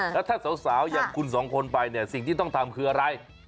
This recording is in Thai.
แล้วถ้าสาวอย่างคุณสองคนไปเนี่ยสิ่งที่ต้องทำคืออะไร